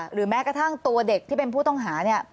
หรือแม้กระทั่งตัวเด็กที่เป็นผู้ต้องหาเนี่ย